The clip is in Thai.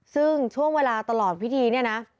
ซึ่งช่วงเวลาตลอดพิธีเนี่ยนะ